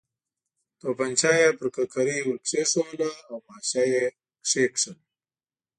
تومانچه یې پر ککرۍ ور کېښووله او ماشه یې کېکاږل.